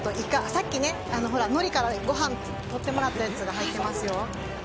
さっき、のりからご飯を取ってもらったやつが入っていますよ。